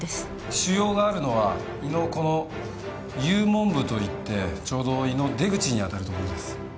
腫瘍があるのは胃のこの幽門部といってちょうど胃の出口に当たるところです。